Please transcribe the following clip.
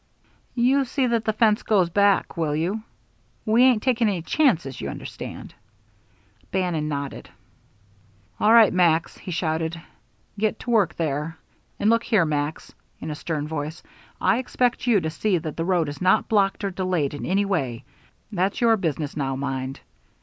"You see that the fence goes back, will you? We ain't taking any chances, you understand." Bannon nodded. "All right, Max," he shouted. "Get to work there. And look here, Max," in a stern voice, "I expect you to see that the road is not blocked or delayed in any way. That's your business now, mind."